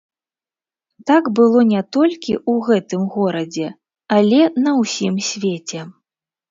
Так было не толькі ў гэтым горадзе, але на ўсім свеце.